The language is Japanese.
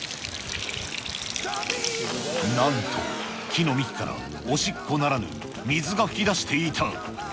なんと、木の幹からおしっこならぬ水が噴き出していた。